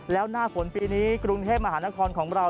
แล้วหน้าฝนปีนี้กรุงเทพมหานครของเรา